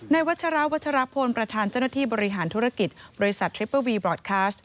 วัชราวัชรพลประธานเจ้าหน้าที่บริหารธุรกิจบริษัททริปเปอร์วีบรอดคัส